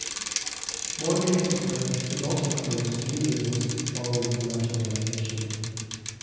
Mortgage Express is also closed to new business, following the nationalisation.